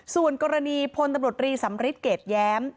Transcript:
ส่วนกรณีพลตำรวจรีสำริทเกรดแย้ม